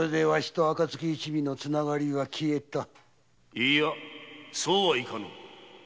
・いいやそうはいかぬ。